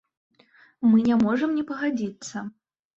Мы не можам не пагадзіцца.